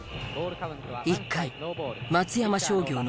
１回松山商業の攻撃。